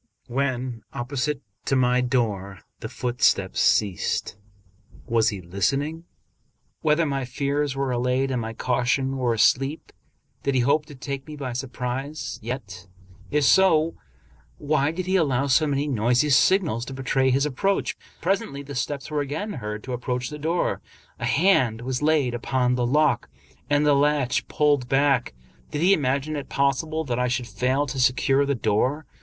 When opposite to my door the footsteps ceased. Was he listening whether my fears were allayed and my caution were asleep ? Did he hope to take me by surprise ? Yet, if so, why did he allow so many noisy signals to betray his approach? Presently the steps were again heard to approach the door. A hand was laid upon the lock, and the latch pulled back. Did he imagine it possible that I should fail to secure the door?